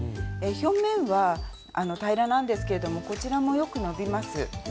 表面は平らなんですけれどもこちらもよく伸びます。